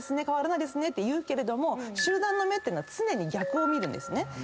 変わらないですねと言うけども集団の目っていうのは常に逆を見るんですね。